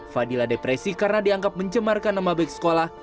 fadila depresi karena dianggap mencemarkan nama baik sekolah